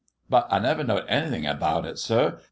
But I never knowed anythin' about it, sir.